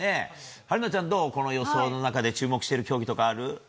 春奈ちゃん、この予想の中で注目している競技ある？